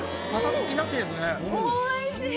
・おいしい！